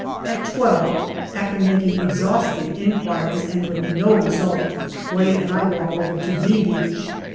At twelve, after making exhaustive inquiries and with no result, Way and I walk over to " V " Beach.